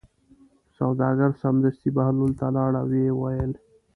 سوداګر سمدستي بهلول ته لاړ او ویې ویل.